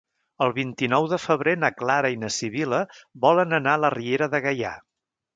El vint-i-nou de febrer na Clara i na Sibil·la volen anar a la Riera de Gaià.